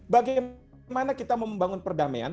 bagaimana kita membangun perdamaian